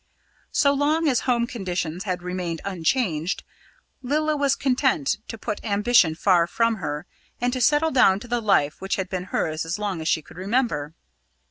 So long as home conditions had remained unchanged, Lilla was content to put ambition far from her, and to settle down to the life which had been hers as long as she could remember.